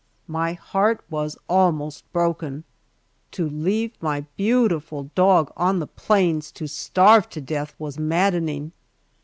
My heart was almost broken; to leave my beautiful dog on the plains to starve to death was maddening.